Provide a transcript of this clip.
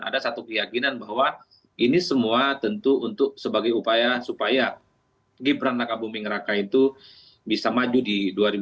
ada satu keyakinan bahwa ini semua tentu untuk sebagai upaya supaya gibran raka buming raka itu bisa maju di dua ribu dua puluh